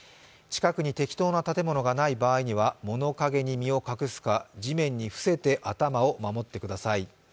近くに適当な建物がない場合には物陰に身を隠すか、地面に伏せて頭を守ってください。